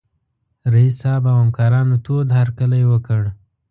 رييس صاحب او همکارانو تود هرکلی وکړ.